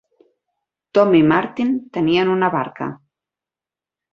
Tom i Martin tenien una barca.